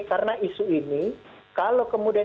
karena isu ini kalau kemudian